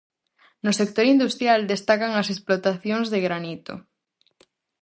No sector industrial destacan as explotacións de granito.